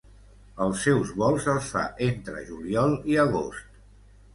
Els seus vols els fa entre juliol i agost.